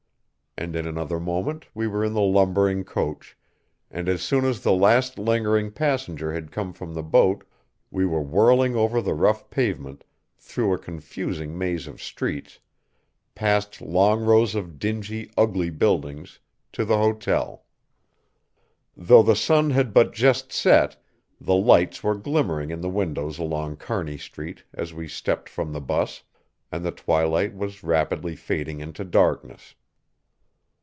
And in another moment we were in the lumbering coach, and as soon as the last lingering passenger had come from the boat we were whirling over the rough pavement, through a confusing maze of streets, past long rows of dingy, ugly buildings, to the hotel. Though the sun had but just set, the lights were glimmering in the windows along Kearny Street as we stepped from the 'bus, and the twilight was rapidly fading into darkness.